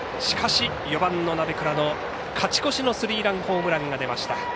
しかし、４番の鍋倉の勝ち越しのスリーランホームランが出ました。